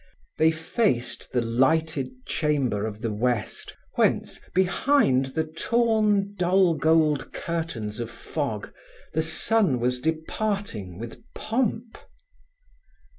They faced the lighted chamber of the west, whence, behind the torn, dull gold curtains of fog, the sun was departing with pomp.